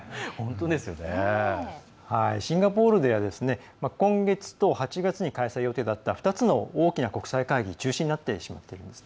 シンガポールでは今月と８月に開催予定だった２つの大きな国際会議中止になってしまっています。